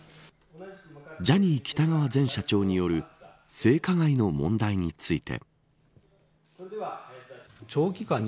ジャニー喜多川前社長による性加害の問題について。